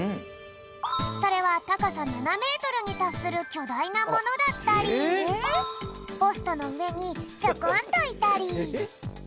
それはたかさ７メートルにたっするきょだいなものだったりポストのうえにちょこんといたり。